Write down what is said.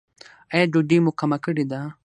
ایا ډوډۍ مو کمه کړې ده؟